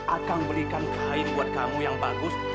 akan belikan kain buat kamu yang bagus